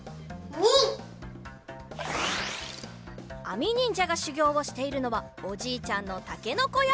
あみにんじゃがしゅぎょうをしているのはおじいちゃんのたけのこやま。